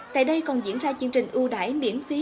tại đây còn diễn ra chương trình ưu đãi miễn phí